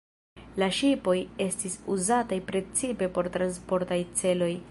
La ŝipoj estis uzataj precipe por transportaj celoj.